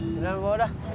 sudah gue udah